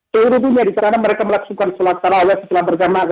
terutunya karena mereka melakukan sholat taraweeh setelah berjamaah